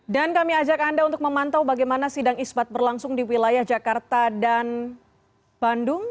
dan kami ajak anda untuk memantau bagaimana sidang ispat berlangsung di wilayah jakarta dan bandung